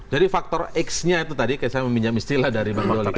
jadi faktor x nya itu tadi saya meminjam istilah dari pak joli